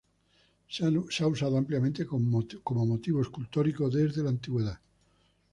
Se ha usado ampliamente como motivo escultórico desde la antigüedad.